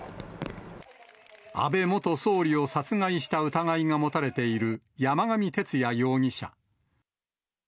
安倍元総理を殺害した疑いが持たれている山上徹也容疑者。